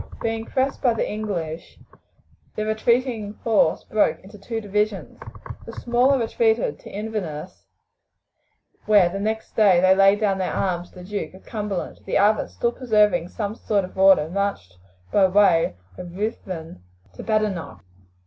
Being pressed by the English, the retreating force broke into two divisions. The smaller retreated to Inverness, where they next day laid down their arms to the Duke of Cumberland; the other, still preserving some sort of order, marched by way of Ruthven to Badenoch.